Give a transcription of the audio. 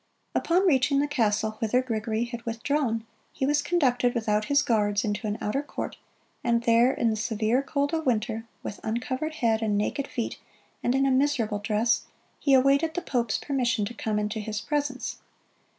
Upon reaching the castle whither Gregory had withdrawn, he was conducted, without his guards, into an outer court, and there, in the severe cold of winter, with uncovered head and naked feet, and in a miserable dress, he awaited the pope's permission to come into his presence.